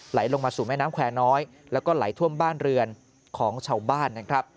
ไหลลงมาสู่แม่น้ำแควร์น้อยแล้วก็ไหลท่วมบ้านเรือนของชาวบ้านนะครับ